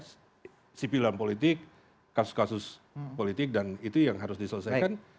karena sipil dan politik kasus kasus politik dan itu yang harus diselesaikan